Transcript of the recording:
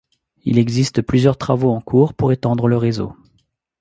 Il existe plusieurs travaux en cours pour étendre le réseau.